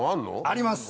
あります！